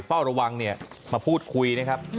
เฝ้าระวังมาพูดคุยนะครับ